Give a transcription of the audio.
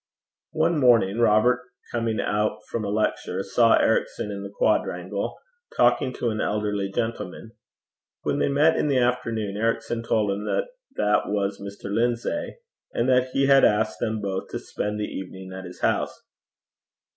One morning, Robert, coming out from a lecture, saw Ericson in the quadrangle talking to an elderly gentleman. When they met in the afternoon Ericson told him that that was Mr. Lindsay, and that he had asked them both to spend the evening at his house.